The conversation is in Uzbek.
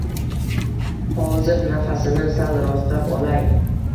Hozir… Nafasimni sal rostlab olay